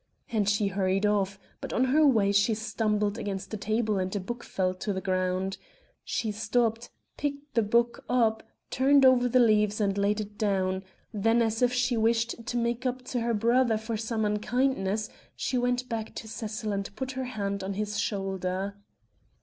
And she hurried off; but on her way she stumbled against a table and a book fell to the ground. She stopped, picked the book up, turned over the leaves and laid it down; then, as if she wished to make up to her brother for some unkindness, she went back to Cecil and put her hand on his shoulder.